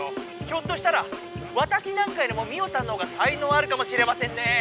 ひょっとしたらわたしなんかよりもミオさんのほうが才のうあるかもしれませんねえ」。